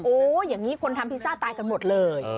อย่างนี้คนทำพิซซ่าตายกันหมดเลย